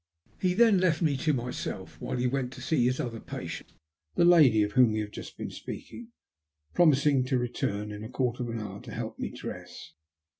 He then left me to myself while he went to see his other patient — the lady of whom we had just been speaking — ^promising to return in a quarter of an hour to help me dress.